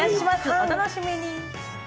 お楽しみに。